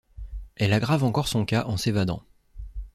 Elle aggrave encore son cas en s'évadant.